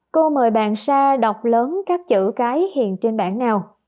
cô mời bạn sa đọc lớn các chữ cái hiện trên bảng nào